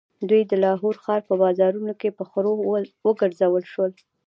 دوی د لاهور ښار په بازارونو کې په خرو وګرځول شول.